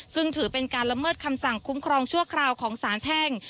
ซึ่งถือเป็นการละเมิดคำสั่งคุ้มครองชั่วคราวของสารแพ่ง